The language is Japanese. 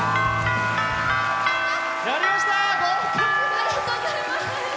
ありがとうございます。